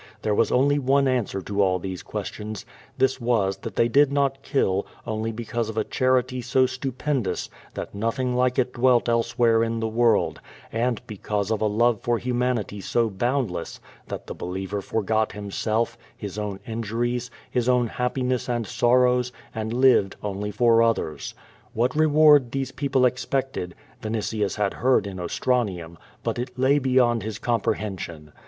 There was only one answer to all these questions. This was that they did not kill only because of a charity so stupendous that nothing like it dwelt elsewhere in the world, and because of a love for humanity so boundless that the believer forgot himself, his own injuries, his own happiness and sorrows, and lived only for others, \\1iat reward these people expected, Vinitius had heard in Ostranium, but it lay beyond his com prehension.